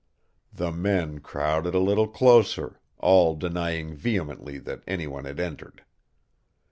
The men crowded a little closer, all denying vehemently that any one had entered.